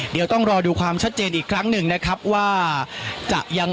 เดี๋ยวฟังบริกาศสักครู่นะครับคุณผู้ชมครับคุณผู้ชมครับ